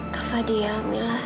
kak fadil mila